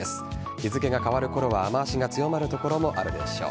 日付が変わるころは雨脚が強まる所もあるでしょう。